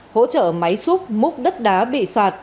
hỗ trợ máy xúc múc đất đá bị sạt